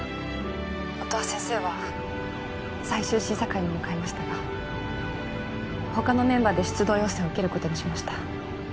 音羽先生は最終審査会に向かいましたが他のメンバーで出動要請を受けることにしました